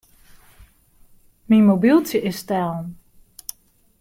Myn mobyltsje is stellen.